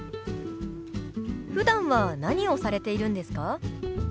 ふだんは何をされているんですか？